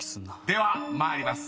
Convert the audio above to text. ［では参ります］